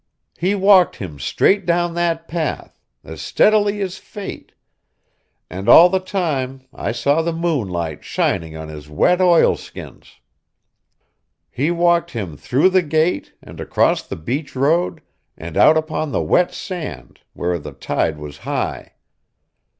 He walked him straight down that path, as steadily as Fate; and all the time I saw the moonlight shining on his wet oilskins. He walked him through the gate, and across the beach road, and out upon the wet sand, where the tide was high.